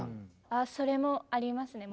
あっそれもありますね。